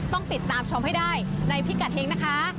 ต้องติดตามชมให้ได้ในพิกัดเฮงนะคะ